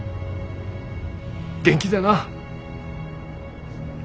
元気でな。